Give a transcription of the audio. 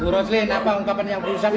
roadslen apa ungkapan yang berusaha